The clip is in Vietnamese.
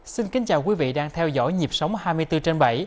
xin kính chào quý vị đang theo dõi nhịp sống hai mươi bốn trên bảy